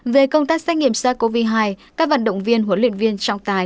về công tác xét nghiệm sars cov hai các vận động viên huấn luyện viên trọng tài